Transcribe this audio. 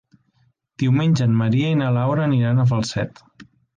Diumenge en Maria i na Laura aniran a Falset.